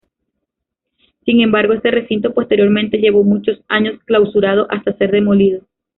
Sin embargo, este recinto posteriormente llevó muchos años clausurado hasta ser demolido.